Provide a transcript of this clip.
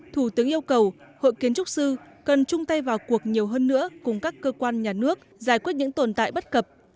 thủ tướng yêu cầu hội kiến trúc sư cần chung tay vào cuộc nhiều hơn nữa cùng các cơ quan nhà nước giải quyết những tồn tại bất cập